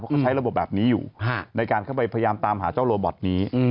เขาใช้ระบบแบบนี้อยู่ในการเข้าไปพยายามตามหาเจ้าโรบอตนี้